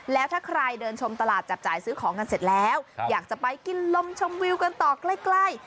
แล้วถ้าใครเดินชมตลาดจับจ่ายซื้อของกันเสร็จแล้วอยากจะไปกินลมชมวิวกันต่อใกล้